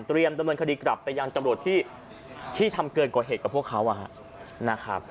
ดำเนินคดีกลับไปยังตำรวจที่ทำเกินกว่าเหตุกับพวกเขานะครับ